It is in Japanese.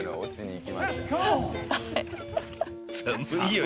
「寒いよ！」